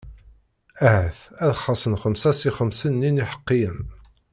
Ahat ad xaṣṣen xemsa si xemsin-nni n iḥeqqiyen.